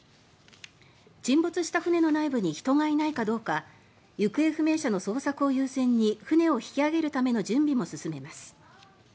沈没した船の内部に人がいないかどうか行方不明者の捜索を優先に船を引き揚げるための準備も進めます。